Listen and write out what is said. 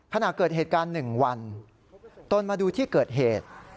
ขณะเกิดเหตุการณ์๑วันตนมาดูที่เกิดเหตุ